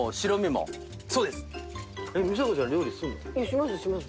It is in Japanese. しますします。